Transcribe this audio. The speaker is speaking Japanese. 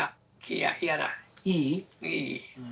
いい？いい。